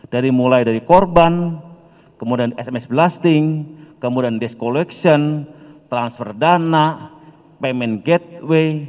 dari mulai dari korban kemudian sms blasting kemudian desk collection transfer dana payment gateway